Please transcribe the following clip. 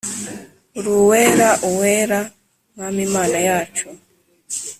Uri Uwera Uwera ,Mwami Mana yacu,